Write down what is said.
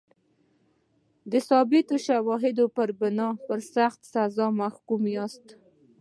د ثابتو شواهدو پر بنا په سخته سزا محکوم یاست.